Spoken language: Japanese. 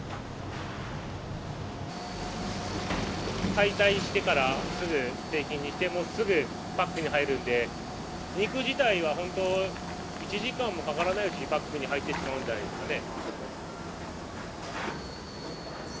解体してからすぐ製品にしてもうすぐパックに入るんで肉自体はほんと１時間もかからないうちにパックに入ってしまうんじゃないですかね。